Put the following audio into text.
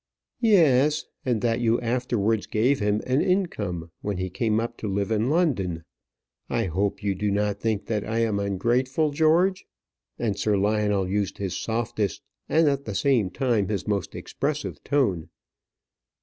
"Yes, and that you afterwards gave him an income when he came up to live in London. I hope you do not think that I am ungrateful, George?" and Sir Lionel used his softest and, at the same time, his most expressive tone.